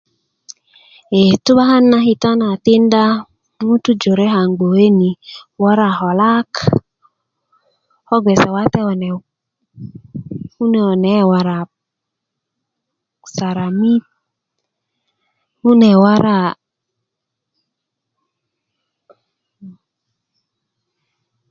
a tu'bakan na kita na tikinda ŋutuu jore kaaŋ gboke ni wora kolak ko gbeŋge wate kune kune' kune ke' wora saramit kune' wora'